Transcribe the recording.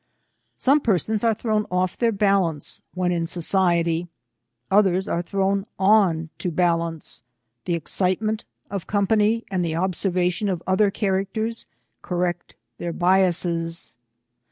Some persons are thrown off their balance when in society; others are thrown on to balance ; the excitement of company, and the observation of other cha racters, correct their biases.